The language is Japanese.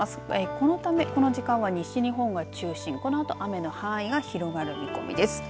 このためこの時間は西日本は中心このあと雨の範囲が広がる見込みです。